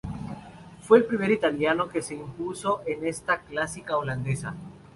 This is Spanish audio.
Fue el primer italiano que se impuso en esta clásica holandesa.